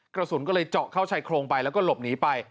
กระสุนก็เลยเจาะเข้าชายโครงไปแล้วก็หลบหนีไป